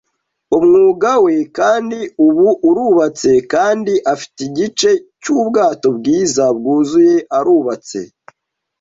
umwuga we, kandi ubu arubatse kandi afite igice cyubwato bwiza bwuzuye, arubatse